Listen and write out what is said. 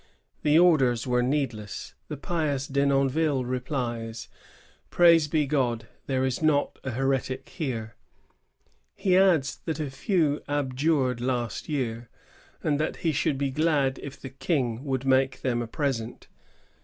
^ The orders were needless. The pious Denonville replies, "Praised be God! there is not a heretic here." He adds that a few abjured last year, and that he should be very glad if the King would make them a present.